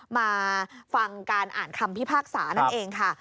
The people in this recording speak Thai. มาฟังการอ่านคำพิพากษานั่นเองค่ะ